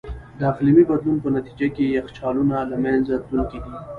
د اقلیمي بدلون په نتیجه کې یخچالونه له منځه تلونکي دي.